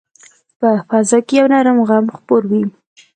په فضا کې یو نرم غم خپور وي